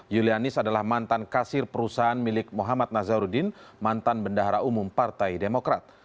yulianis adalah mantan kasir perusahaan milik muhammad nazarudin mantan bendahara umum partai demokrat